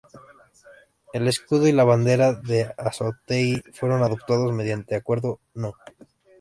El escudo y la bandera de Anzoátegui fueron adoptados mediante Acuerdo No.